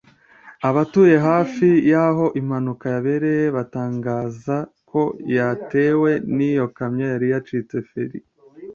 Abatuye hafi y’aho impanuka yabereye batangaza ko yatewe n’iyo kamyo yari yacitse feri